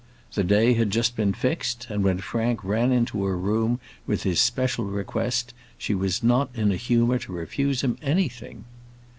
The day had just been fixed, and when Frank ran into her room with his special request, she was not in a humour to refuse him anything.